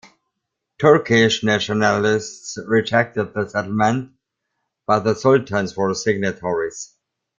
Turkish nationalists rejected the settlement by the Sultan's four signatories.